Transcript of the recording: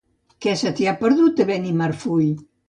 Què se t'hi ha perdut, a Benimarfull?